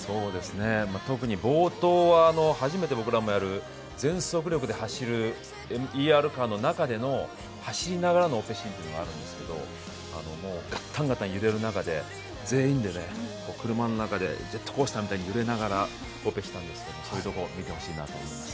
特に冒頭は初めて僕らもやる全速力で走るＥＲカーの中での走りながらのオペシーンがあるんですけどがったんがったん揺れる中で全員で車の中でジェットコースターみたいに揺れながらオペしたんですよ、そういうところを見てほしいなと思います。